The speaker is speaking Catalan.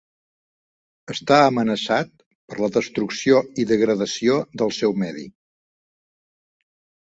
Està amenaçat per la destrucció i degradació del seu medi.